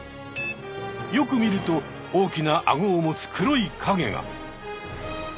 よく見ると大きなアゴを持つ黒い影が！